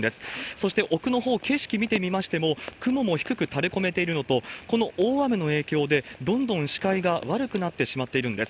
そして奥のほう、景色見てみましても、雲も低く垂れ込めているのと、この大雨の影響でどんどん視界が悪くなってしまっているんです。